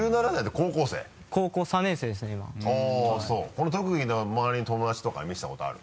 この特技周りの友達とかに見せたことある？